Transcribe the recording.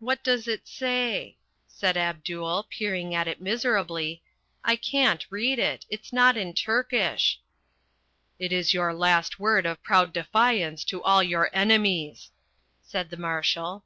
"What does it say?" said Abdul, peering at it miserably, "I can't read it. It's not in Turkish." "It is your last word of proud defiance to all your enemies," said the Marshal.